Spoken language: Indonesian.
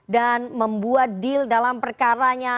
dan membuat deal dalam perkaranya